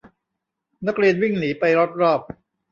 นักเรียนวิ่งหนีไปรอบรอบ